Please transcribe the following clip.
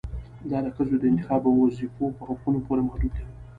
دا د ښځو د انتخاب او وظيفو په حقونو پورې محدود و